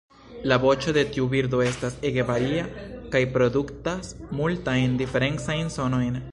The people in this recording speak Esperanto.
La voĉo de tiu birdo estas ege varia kaj produktas multajn diferencajn sonojn.